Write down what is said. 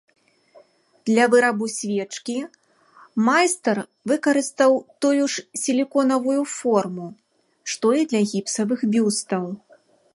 Для вырабу свечкі майстар выкарыстаў тую ж сіліконавую форму, што і для гіпсавых бюстаў.